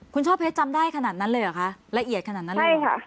คุณช่อเพชรจำได้ขนาดนั้นเลยเหรอคะละเอียดขนาดนั้นเลย